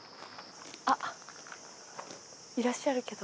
あっいらっしゃるけど。